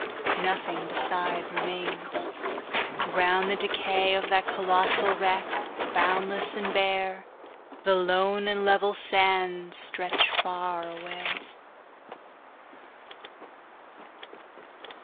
'Nothing beside remains. Round the decayOf that colossal wreck, boundless and bare, The lone and level sands stretch far away.